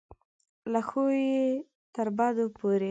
له ښو یې تر بدو پورې.